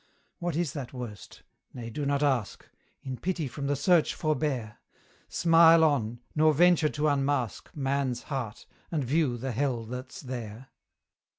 What is that worst? Nay, do not ask In pity from the search forbear: Smile on nor venture to unmask Man's heart, and view the hell that's there.